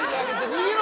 逃げろ！